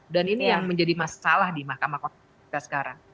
dan ini yang menjadi masalah di mahkamah konstitusi sekarang